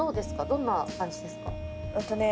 どんな感じですか？